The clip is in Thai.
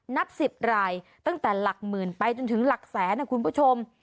นับ๑๐รายตั้งแต่หลักหมื่นไปจนถึงหลักแสนนะคุณผู้ชม